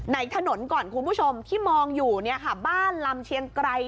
ในถนนก่อนคุณผู้ชมที่มองอยู่เนี่ยค่ะบ้านลำเชียงไกร